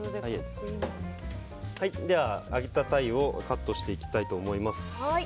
では、揚げた鯛をカットしていきたいと思います。